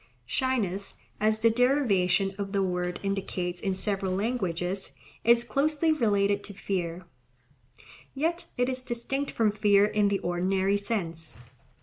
Shyness, as the derivation of the word indicates in several languages, is closely related to fear; yet it is distinct from fear in the ordinary sense.